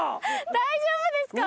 大丈夫ですか？